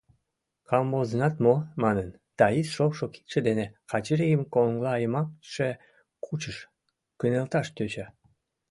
— Камвозынат мо? — манын, Таис шокшо кидше дене Качырийым коҥлайымачше кучыш, кынелташ тӧча.